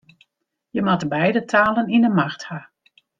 Je moatte beide talen yn 'e macht ha.